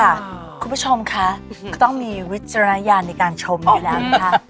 ค่ะคุณผู้ชมคะก็ต้องมีวิจารณญาณออกในการชมให้แล้วค่ะ